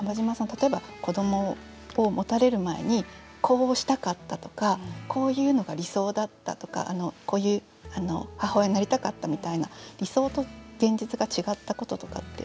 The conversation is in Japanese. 例えば子どもをもたれる前にこうしたかったとかこういうのが理想だったとかこういう母親になりたかったみたいな理想と現実が違ったこととかってあります？